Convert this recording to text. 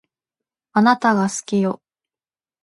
あなたが好きよ